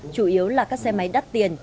chủ yếu là các xe máy đắt tiền